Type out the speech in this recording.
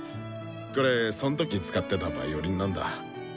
これそん時使ってたヴァイオリンなんだ。